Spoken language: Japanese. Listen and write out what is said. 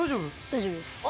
大丈夫です。